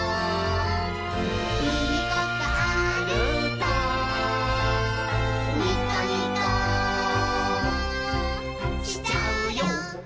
「いいことあるとにこにこしちゃうよ」